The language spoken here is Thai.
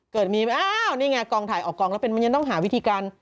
เกิดมีอ้าวนี่ไงกองถ่ายออกกองแล้วมันยังต้องหาวิธีการ